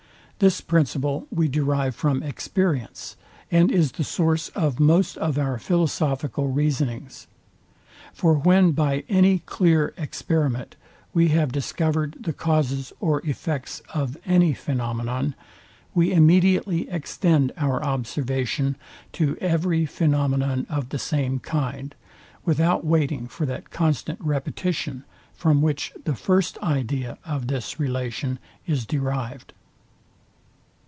This principle we derive from experience, and is the source of most of our philosophical reasonings. For when by any clear experiment we have discovered the causes or effects of any phænomenon, we immediately extend our observation to every phenomenon of the same kind, without waiting for that constant repetition, from which the first idea of this relation is derived.